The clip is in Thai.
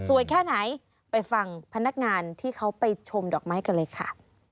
แค่ไหนไปฟังพนักงานที่เขาไปชมดอกไม้กันเลยค่ะ